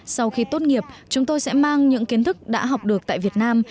sau khi tốt nghiệp chúng tôi sẽ mang những kiến thức đã học được tại việt nam